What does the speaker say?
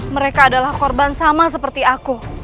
mereka adalah korban sama seperti aku